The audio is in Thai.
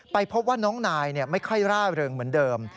พบว่าน้องนายไม่ค่อยร่าเริงเหมือนเดิม